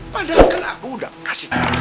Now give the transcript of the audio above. padahal kalau aku udah kasih tahu semua itu